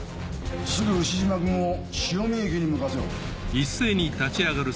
すぐ牛島君を潮見駅に向かわせろ。